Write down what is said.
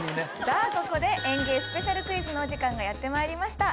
さあここで『ＥＮＧＥＩ』スペシャルクイズのお時間がやってまいりました。